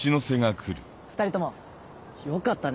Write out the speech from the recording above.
２人ともよかったね。